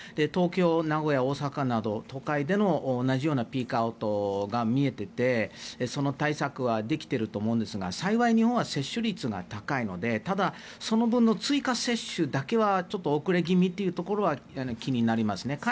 東京、名古屋、大阪など都会での同じようなピークアウトが見えていて、その対策はできていると思うんですが幸い日本は接種率が高いのでただ、その分の追加接種だけはちょっと遅れ気味というところは気になりますね。